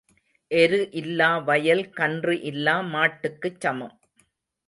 எரு இல்லா வயல் கன்று இல்லா மாட்டுக்குச் சமம்.